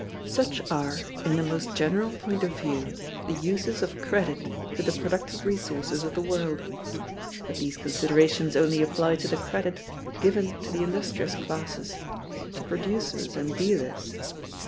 Such are, in the most general point of view, the uses of credit to the productive resources of the world. But these considerations only apply to the credit given to the industrious classes—to producers and dealers.